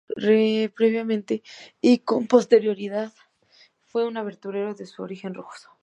Previamente, y con posterioridad, fue un aventurero de origen ruso.